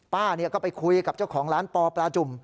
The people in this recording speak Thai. ป้าก็ไปคุยกับเจ้าของร้านปอปลาจุ่ม